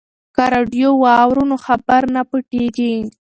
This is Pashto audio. که راډیو واورو نو خبر نه پټیږي.